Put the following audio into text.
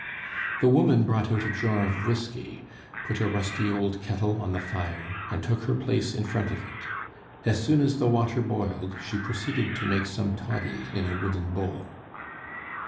The woman brought out a jar of whisky, put a rusty old kettle on the fire, and took her place in front of it. As soon as the water boiled, she proceeded to make some toddy in a wooden bowl.